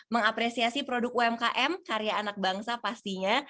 mengapresiasi produk umkm karya anak bangsa pastinya